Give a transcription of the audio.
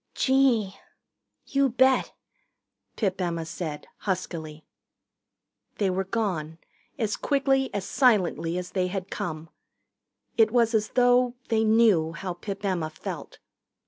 "Gee, you bet," Pip Emma said huskily. They were gone, as quickly, as silently as they had come. It was as though they knew how Pip Emma felt.